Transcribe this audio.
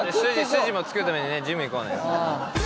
筋もつけるためにねジム行こうね。